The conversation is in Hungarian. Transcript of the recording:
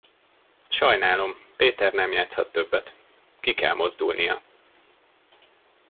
Sajnálom, Péter nem játszhat többet. Ki kell mozdulnia.